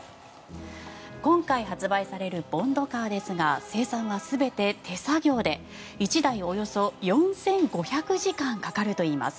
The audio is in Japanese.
今回、発売されるボンドカーですが生産は全て手作業で１台およそ４５００時間かかるといいます。